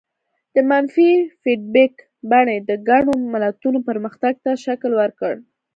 د منفي فیډبک بڼې د ګڼو ملتونو پرمختګ ته شکل ورکړ.